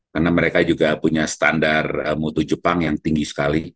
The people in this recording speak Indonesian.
karena mereka juga punya standar mutu jepang yang tinggi sekali